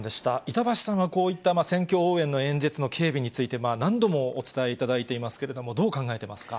板橋さんはこういった選挙応援の演説の警備について、何度もお伝えいただいていますけれども、どう考えていますか。